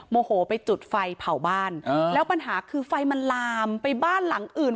โมโหไปจุดไฟเผาบ้านแล้วปัญหาคือไฟมันลามไปบ้านหลังอื่น